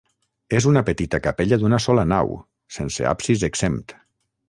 És una petita capella d'una sola nau, sense absis exempt.